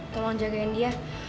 tolong jagain dia